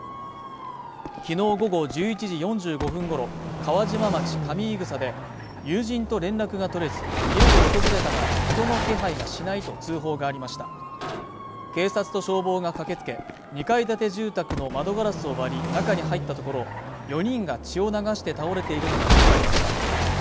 昨日午後１１時４５分ごろ川島町上伊草で友人と連絡が取れず家を訪れたが人の気配がしないと通報がありました警察と消防が駆けつけ２階建て住宅の窓ガラスを割り中に入ったところ４人が血を流して倒れているのが見つかりました